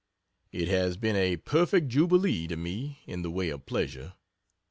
It has been a perfect jubilee to me in the way of pleasure.